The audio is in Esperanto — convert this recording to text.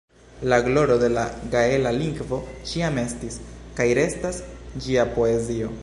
La gloro de la gaela lingvo ĉiam estis, kaj restas, ĝia poezio.